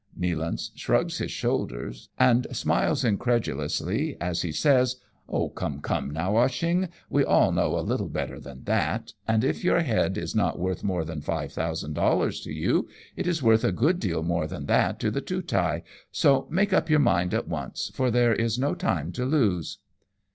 Nealance shrugs his shoulders and smiles incredu lously as he says, " Come ! come ! now. Ah Cheong, we all know a little better than that, and if your head is not worth more than five thousand dollars to you, it is worth a good deal more than that to the Tootai, so make up your mind at once, for there is no time to lose.